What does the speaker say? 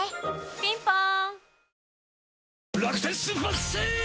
ピンポーン